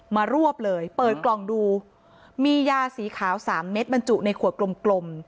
มารวบเลยเปิดกล่องดูมียาสีขาวสามเม็ดบรรจุในขวดกลม